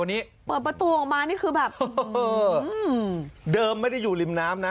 วันนี้เปิดประตูออกมานี่คือแบบเออเดิมไม่ได้อยู่ริมน้ำนะ